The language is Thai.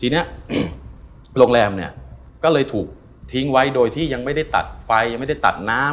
ทีนี้โรงแรมเนี่ยก็เลยถูกทิ้งไว้โดยที่ยังไม่ได้ตัดไฟยังไม่ได้ตัดน้ำ